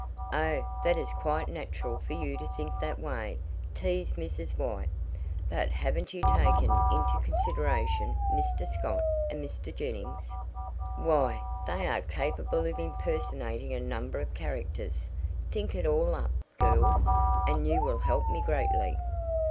"Oh, that is quite natural for you to think that way," teased Mrs. White. "But haven't you taken into consideration Mr. Scott and Mr. Jennings? Why, they are capable of impersonating a number of characters. Think it all up, girls, and you will help me greatly.